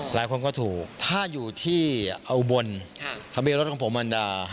หลายคนก็ถูกถ้าอยู่ที่อุบลทะเบียนรถของผมมันดา